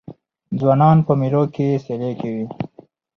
ځوانان په مېلو کښي سیالۍ کوي.